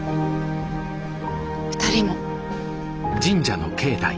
２人も。